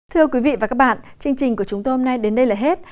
thưa quý vị và các bạn chương trình của chúng tôi hôm nay đến đây là hết